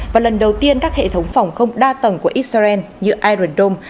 và lần đầu tiên các hệ thống phòng không đa tầng của israel như iron dome